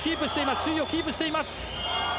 首位をキープしています。